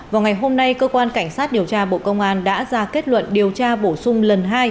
vào ngày hôm nay cơ quan cảnh sát điều tra bộ công an đã ra kết luận điều tra bổ sung lần hai